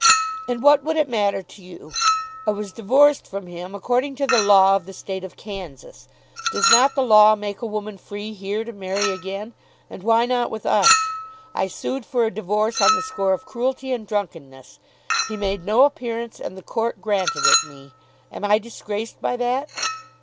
And what would it matter to you? I was divorced from him according to the law of the State of Kansas. Does not the law make a woman free here to marry again, and why not with us? I sued for a divorce on the score of cruelty and drunkenness. He made no appearance, and the Court granted it me. Am I disgraced by that?"